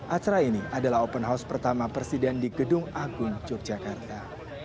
acara ini adalah open house pertama presiden di gedung agung yogyakarta